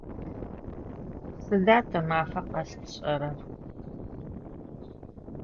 Sıda te mafe khes tş'erer?